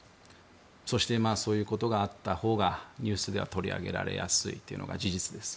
そして、そういうことがあったほうがニュースでは取り上げられやすいというのが事実です。